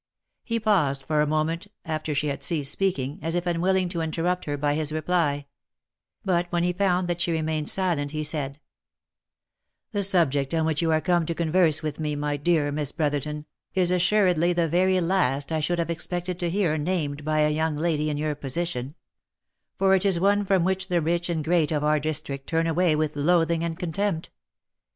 He paused for a moment after she had ceased speaking, as if unwilling to inter rupt her by his reply ; but when he found that she remained silent, he said, " The subject on which you are come to converse with me, my dear Miss Brotherton, is assuredly the very last I should have expected to hear named by a young lady in your position — for it is one from which the rich and great of our district turn away with loathing and contempt.